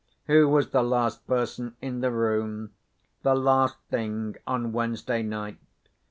"Who was the last person in the room, the last thing on Wednesday night?"